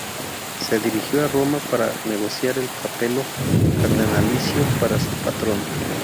Se dirigió a Roma para negociar el capelo cardenalicio para su patrón.